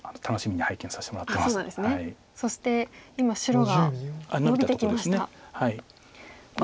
そして今白がノビてきました。